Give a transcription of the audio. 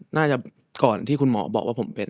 น่าจะก่อนที่คุณหมอบอกว่าผมเป็น